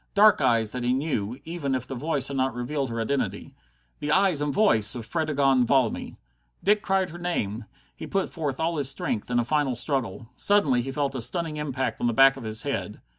Dark eyes that he knew, even if the voice had not revealed her identity. The eyes and voice of Fredegonde Valmy! Dick cried her name. He put forth all his strength in a final struggle. Suddenly he felt a stunning impact on the back of the head.